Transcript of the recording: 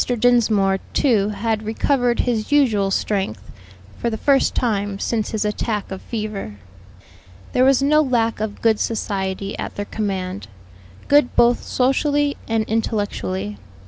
Dinsmore, too, had recovered his usual strength, for the first time since his attack of fever. There was no lack of good society at their command; good both socially and intellectually.